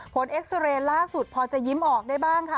เอ็กซาเรย์ล่าสุดพอจะยิ้มออกได้บ้างค่ะ